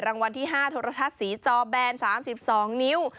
รางวัลที่๕โทรทัศน์สีจอแบน๓๒นิ้ว